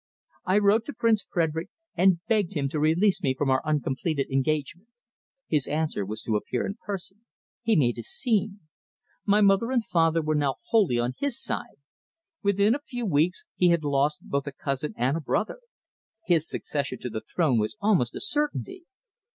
I wrote to Prince Frederick and begged him to release me from our uncompleted engagement. His answer was to appear in person. He made a scene. My mother and father were now wholly on his side. Within a few weeks he had lost both a cousin and a brother. His succession to the throne was almost a certainty.